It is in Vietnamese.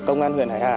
công an huyện hải hà